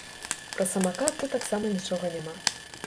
Пра самакат тут таксама нічога няма!